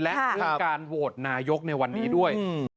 และเรื่องการโหวตนายกในวันนี้ด้วย